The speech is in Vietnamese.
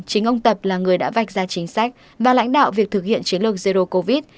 chính ông tập là người đã vạch ra chính sách và lãnh đạo việc thực hiện chiến lược zero covid